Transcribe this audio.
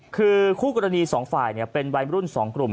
คือคู่กรณีสองฝ่ายเป็นวัยรุ่น๒กลุ่ม